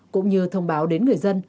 cũng như thông báo đến người dân